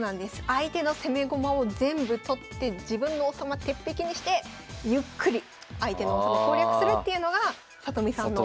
相手の攻め駒を全部取って自分の王様鉄壁にしてゆっくり相手の王様攻略するっていうのが里見さんの。